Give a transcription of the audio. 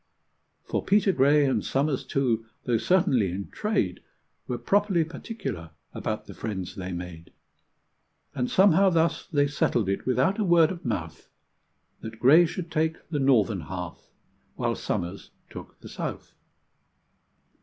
For Peter Gray, and Somers, too, though certainly in trade, Were properly particular about the friends they made; And somehow thus they settled it, without a word of mouth, That Gray should take the northern half, while Somers took the south.